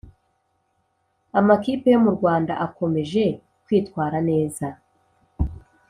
Amakipe yo mu Rwanda akomeje kw’itwara neza